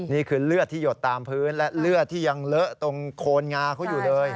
นี่คือเลือดที่หยดตามพื้นและเลือดที่ยังเลอะตรงโคนงาเขาอยู่เลย